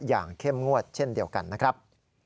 เข้มงวดเช่นเดียวกันนะครับ